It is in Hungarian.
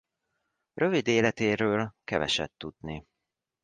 Rövid életéről keveset tudni.